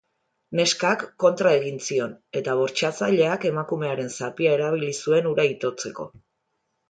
Neskak kontra egin zion eta bortxatzaileak emakumearen zapia erabili zuen hura itotzeko.